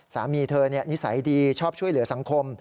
สามีเธอนิสัยดีชอบช่วยเหลือสังคม